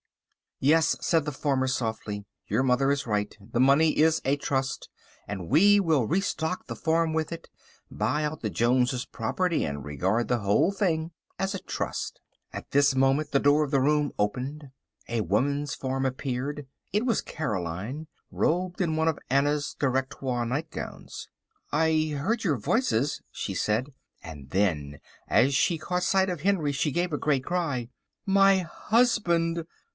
"Yes," said the farmer softly, "your mother is right, the money is a trust, and we will restock the farm with it, buy out the Jones's property, and regard the whole thing as a trust." At this moment the door of the room opened. A woman's form appeared. It was Caroline, robed in one of Anna's directoire nightgowns. "I heard your voices," she said, and then, as she caught sight of Henry, she gave a great cry. "My husband!"